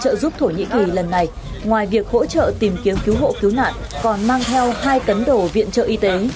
cơ quan y tế đã giúp thổ nhĩ kỳ lần này ngoài việc hỗ trợ tìm kiếm cứu hộ cứu nạn còn mang theo hai tấn đồ viện trợ y tế